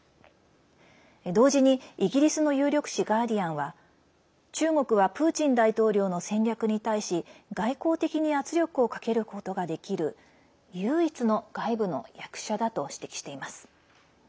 同時に、イギリスの有力紙ガーディアンは中国はプーチン大統領の戦略に対し外交的に圧力をかけることができる唯一の外部の役者だと指摘しています。